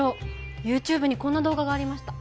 ＹｏｕＴｕｂｅにこんな動画がありました